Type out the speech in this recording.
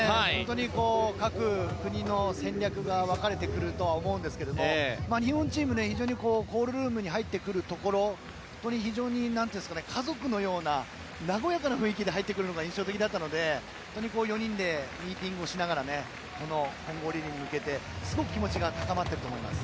各国の戦略がわかれてくるとは思うんですが日本チームは非常に家族のような和やかな雰囲気で入ってくるのが印象的だったので４人でミーティングをしながら混合リレーに向けてすごく気持ちが高まっていると思います。